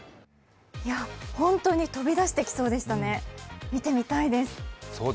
本当に飛び出してきそうでしたね、見てみたいです。